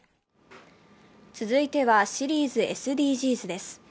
続いてはシリーズ「ＳＤＧｓ」です。